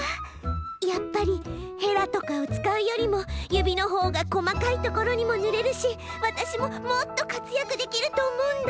やっぱりヘラとかをつかうよりもゆびのほうがこまかいところにもぬれるしわたしももっとかつやくできるとおもうんだ！